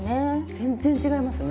全然違いますね。